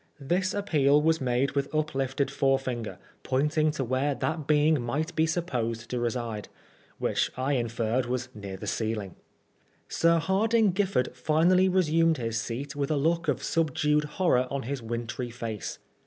This appeal was made with uplifted forfinger, pointing to where that being might be supposed to reside, which I inferred was near the ceiling. Sir Hardinge Giffard finally resumed his seat with a look of subdued horror on his wintry face.